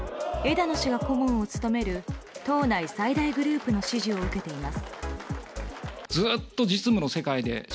枝野氏が顧問を務める党内最大グループの支持を受けています。